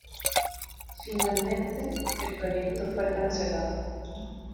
Finalmente, el proyecto fue cancelado.